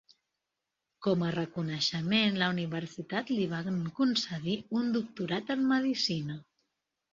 Com a reconeixement, la universitat li van concedir un Doctorat en Medicina.